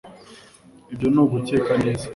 ibyo ni ugukeka neza